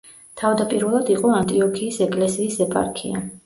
თავდაპირველად იყო ანტიოქიის ეკლესიის ეპარქია.